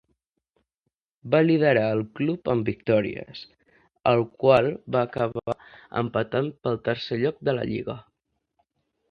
Va liderar el club en victòries, el qual va acabar empatant pel tercer lloc de la lliga.